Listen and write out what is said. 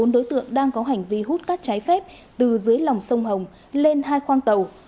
bốn đối tượng đang có hành vi hút các trái phép từ dưới lòng sông hồng lên hai khoang tàu